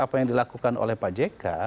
apa yang dilakukan oleh pak jk